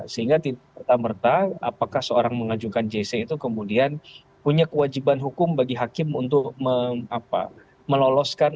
sehingga tidak merta apakah seorang mengajukan jc itu kemudian punya kewajiban hukum bagi hakim untuk meloloskan